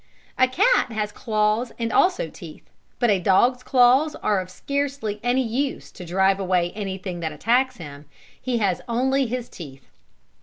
A cat has claws and also teeth, but a dog's claws are of scarcely any use to drive away anything that attacks him. He has only his teeth.